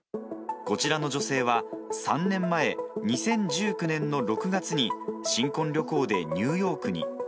こちらの女性は、３年前、２０１９年の６月に、新婚旅行でニューヨークに。